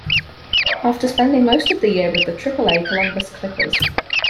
After spending most of the year with the Triple-A Columbus Clippers.